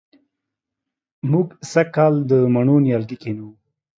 موږ سږ کال د مڼو نیالګي کېنوو